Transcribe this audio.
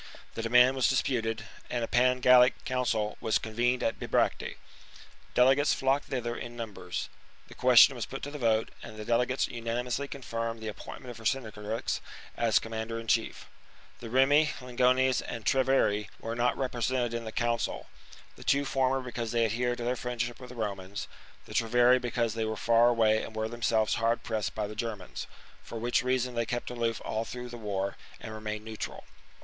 The demand was disputed ; and a Pan Gallic council was convened at Bibracte. Delegates flocked thither in numbers. ' The question was put to the vote ; and the delegates unanimously confirmed the appointment of Vercingetorix as commander in chiefj The Remi, Lingones, and Treveri were not represented in the council, — the two former because they adhered to their friend ship with the Romans ; the Treveri because they were far away and were themselves hard pressed by the Germans, for which reason they kept aloof all through the war and remained neutral.